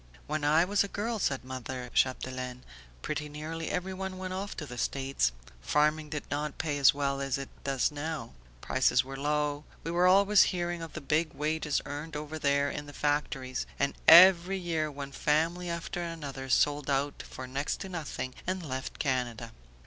"When I was a girl," said mother Chapdelaine, "pretty nearly everyone went off to the States. Farming did not pay as well as it does now, prices were low, we were always hearing of the big wages earned over there in the factories, and every year one family after another sold out for next to nothing and left Canada.